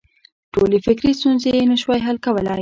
ټولې فکري ستونزې یې نه شوای حل کولای.